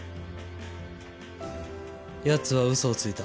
奴は嘘をついた。